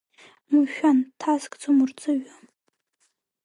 Умшәан, дҭаскӡом урҵаҩы.